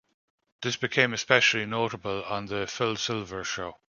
This became especially notable on "The Phil Silvers Show".